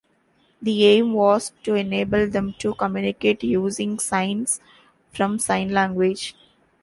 The aim was to enable them to communicate using signs from Sign Language.